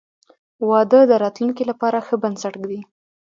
• واده د راتلونکي لپاره ښه بنسټ ږدي.